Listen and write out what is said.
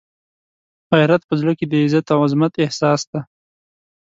غیرت په زړه کې د عزت او عزمت احساس دی.